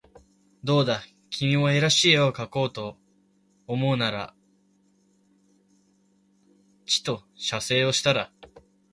どうだ君も画らしい画をかこうと思うならちと写生をしたら